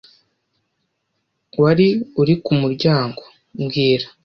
Wari uri ku muryango mbwira